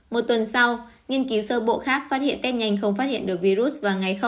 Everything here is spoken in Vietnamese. một tuần sau nghiên cứu sơ bộ khác phát hiện test nhanh không phát hiện được virus vào ngày